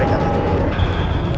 kamu bisa belajar jurus batasan